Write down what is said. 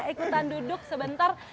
ikutan duduk sebentar